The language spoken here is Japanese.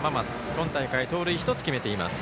今大会、盗塁１つ決めています。